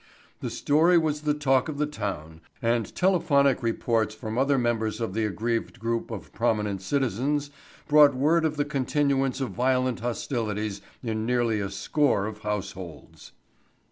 The story was the talk of the town and telephonic reports from other members of the aggrieved group of prominent citizens brought word of the continuance of violent hostilities in nearly a score of households.